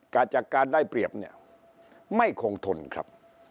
จากการได้เปรียบเนี่ยไม่คงทนครับ